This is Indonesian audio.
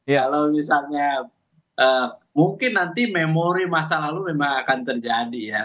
kalau misalnya mungkin nanti memori masa lalu memang akan terjadi ya